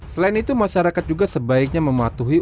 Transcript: selain itu masyarakat juga sebaiknya mematuhi